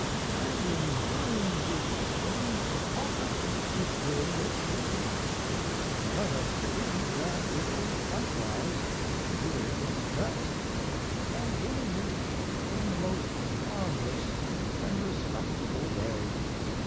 And in doing these things the pulpit is doing its duty, and let us believe that it is likewise doing its best, and doing it in the most harmless and respectable way.